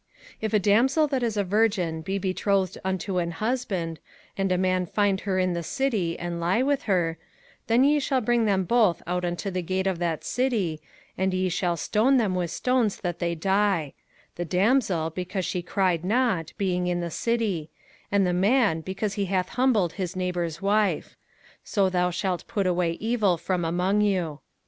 05:022:023 If a damsel that is a virgin be betrothed unto an husband, and a man find her in the city, and lie with her; 05:022:024 Then ye shall bring them both out unto the gate of that city, and ye shall stone them with stones that they die; the damsel, because she cried not, being in the city; and the man, because he hath humbled his neighbour's wife: so thou shalt put away evil from among you.